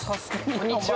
こんにちは。